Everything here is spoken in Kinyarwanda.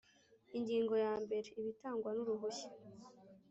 Ingingo ya mbere Ibitangwa n uruhushya